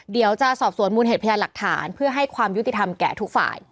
เดี๋ยวจะสอบสวนมูลเหตุพยานหลักฐานเพื่อให้ความยุติธรรมแก่ทุกฝ่าย